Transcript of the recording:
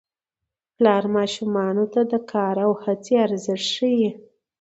پلار ماشومانو ته د کار او هڅې ارزښت ښيي